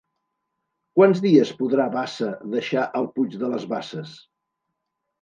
Quants dies podrà Bassa deixar el Puig de les Basses?